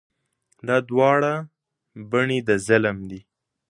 دا دواړه بڼې د ظلم دي.